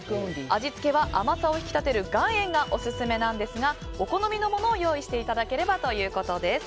味付けは甘さを引き立てる岩塩がオススメなんですがお好みのものを用意していただければということです。